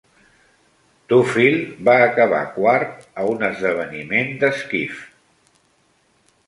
Duffield va acabar quart a un esdeveniment d'esquif.